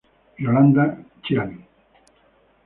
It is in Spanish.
Yolanda Ciani.